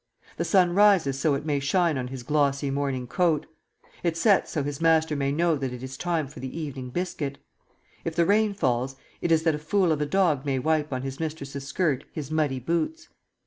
The sun rises so it may shine on his glossy morning coat; it sets so his master may know that it is time for the evening biscuit; if the rain falls it is that a fool of a dog may wipe on his mistress's skirt his muddy boots.